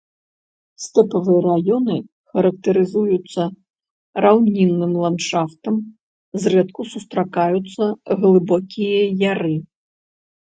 Стэпавыя раёны характарызуюцца раўнінным ландшафтам, зрэдку сустракаюцца глыбокія яры.